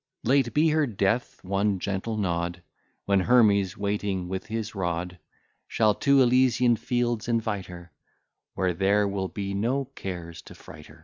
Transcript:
Late be her death, one gentle nod, When Hermes, waiting with his rod, Shall to Elysian fields invite her, Where there will be no cares to fright her!